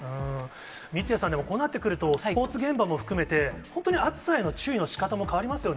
三屋さん、でもこうなってくると、スポーツ現場も含めて、本当に暑さへの注意のしかたも変わりますよね。